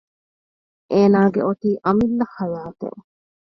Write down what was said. އޭނާގެ އޮތީ އަމިއްލަ ޙަޔާތެއް